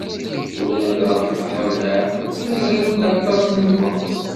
Ulayɣer tuffɣa n leεqel. Mazal-d aṭas n lweqt.